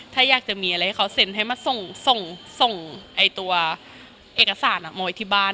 ถ้าอยากจะมีอะไรให้เขาเซ็นให้มาส่งตัวเอกสารมาไว้ที่บ้าน